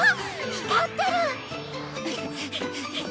光ってる！